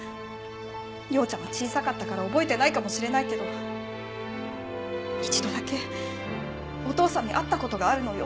「耀ちゃんは小さかったから覚えてないかもしれないけど一度だけお父さんに会った事があるのよ」